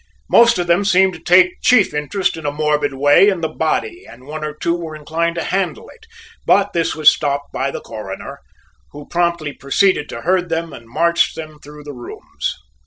Most of them seemed to take chief interest in a morbid way in the body and one or two were inclined to handle it, but this was stopped by the Coroner, who promptly proceeded to herd them and march them through the rooms.